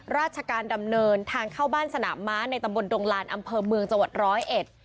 ราชการดำเนินทางเข้าบ้านสนามม้าในตำบลดงลานอำเภอเมืองจังหวัดร้อยเอ็ด